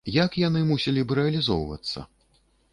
Як яны мусілі б рэалізоўвацца?